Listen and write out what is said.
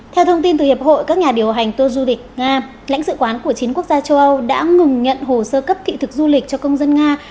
theo thông tin từ hiệp hội các nhà điều hành tour du lịch nga lãnh sự quán của chín quốc gia châu âu đã ngừng nhận hồ sơ cấp thị thực du lịch cho công dân nga